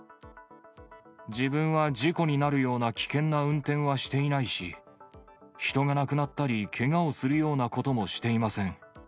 自分は事故になるような危険な運転はしていないし、人が亡くなったりけがをするようなこともしていません。